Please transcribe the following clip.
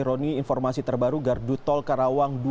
roni informasi terbaru gardu tol karawang dua